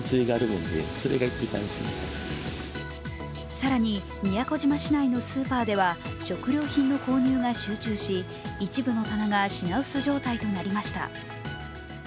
更に宮古島市内のスーパーでは食料品の購入が集中し一部の棚が品薄状態となりました。